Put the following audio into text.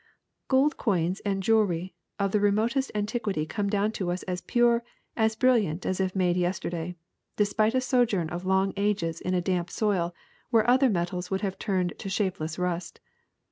*^Gold coins and jewelry of the remotest antiquity come down to us as pure and brilliant as if made yesterday, despite a sojourn of long ages in a damp soil where other metals would have turned to shape less rust.